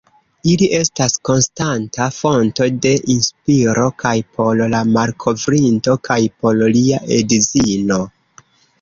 Ili estas konstanta fonto de inspiro kaj por la malkovrinto kaj por lia edzino.